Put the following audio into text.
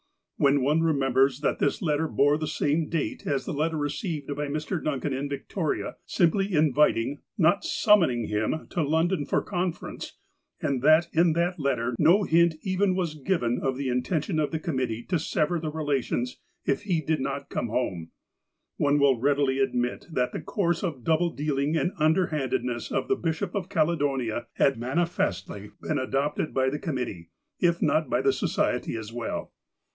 When one remembers that this letter bore the same date as the letter received by Mr. Duncan in Victoria, simply inviting^ NOT summoning, him to London for con ference, and that in that letter no hint even was given of the intention of the committee to sever the relations if he did not come home, one will readily admit that the course of double dealing and underhandedness of the Bishop of Caledonia had manifestly been adopted by the committee, if not by the Society as well.